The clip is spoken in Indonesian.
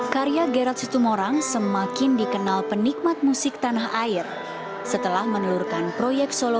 karya gerad situmorang semakin dikenal penikmat musik tanah air setelah menelurkan proyek solo